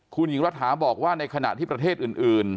คุณหญิงรัฐาบอกว่าในขณะที่ประเทศอื่น